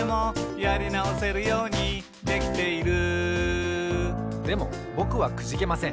「やりなおせるようにできている」でもぼくはくじけません。